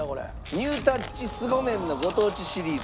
ニュータッチ凄麺のご当地シリーズ。